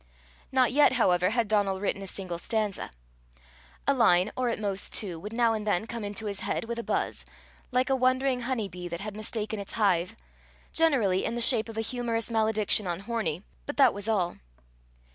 Not yet, however, had Donal written a single stanza. A line, or at most two, would now and then come into his head with a buzz, like a wandering honey bee that had mistaken its hive generally in the shape of a humorous malediction on Hornie but that was all.